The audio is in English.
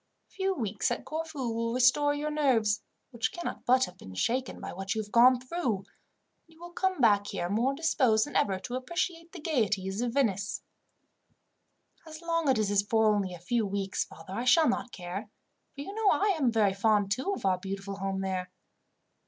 A few weeks at Corfu will restore your nerves, which cannot but have been shaken by what you have gone through, and you will come back here more disposed than ever to appreciate the gaieties of Venice." "As long as it is for only a few weeks, father, I shall not care; for you know I am very fond, too, of our beautiful home there.